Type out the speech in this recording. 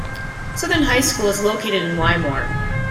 Southern High School is located in Wymore.